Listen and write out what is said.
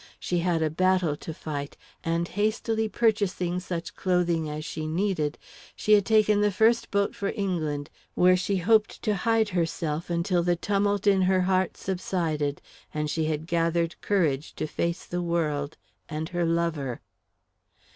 She had a battle to fight; and, hastily purchasing such clothing as she needed, she had taken the first boat for England, where she hoped to hide herself until the tumult in her heart subsided, and she had gathered courage to face the world and her lover.